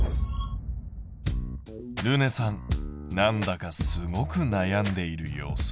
るねさんなんだかすごく悩んでいる様子。